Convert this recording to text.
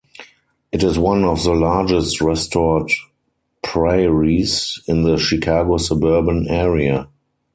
It is one of the largest restored prairies in the Chicago suburban area.